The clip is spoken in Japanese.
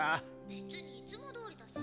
別にいつもどおりだし。